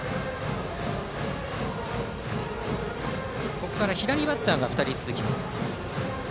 ここから左バッターが２人続きます。